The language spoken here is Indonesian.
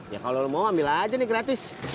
ya kalau mau ambil aja nih gratis